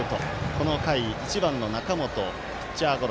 この回、１番の中本ピッチャーゴロ。